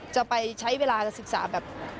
จะไปใช้เวลาจะศึกษาแบบ